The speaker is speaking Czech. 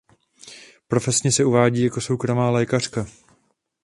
Profesně se uvádí jako soukromá lékařka.